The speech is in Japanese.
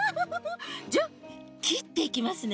じゃきっていきますね。